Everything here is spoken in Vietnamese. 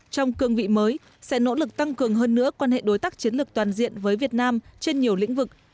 trong cương vị mới sẽ nỗ lực tăng cường hơn nữa quan hệ đối tác chiến lược toàn diện với việt nam trên nhiều lĩnh vực